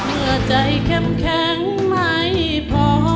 เมื่อใจเข้มแข็งไม่พอ